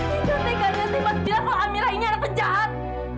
mas bilang kalau amira ini anak penjahat